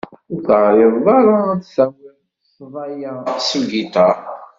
Ur teεriḍeḍ ara ad d-tawiḍ ssḍa-ya s ugiṭar?